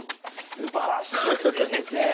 すばらしいですね先生。